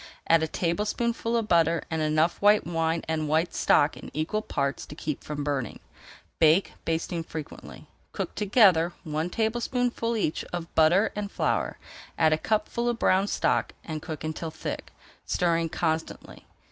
Add a tablespoonful of butter and enough white wine and white stock in equal parts to keep from burning. Bake, basting frequently. Cook together one tablespoonful each of butter and flour, add a cupful of brown stock and cook until thick, stirring constantly.